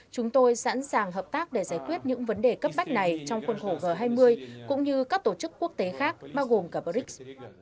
chúng tôi sẵn sàng hợp tác để giải quyết những vấn đề cấp bách này trong khuôn khổ g hai mươi cũng như các tổ chức quốc tế khác bao gồm cả brics